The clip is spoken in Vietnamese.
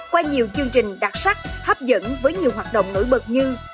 qua nhiều chương trình đặc sắc hấp dẫn với nhiều hoạt động nổi bật như